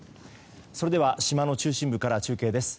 それでは島の中心部から中継です。